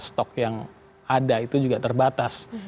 stok yang ada itu juga terbatas